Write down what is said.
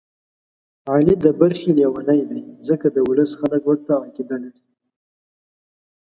علي د برخې لېونی دی، ځکه د ولس خلک ورته عقیده لري.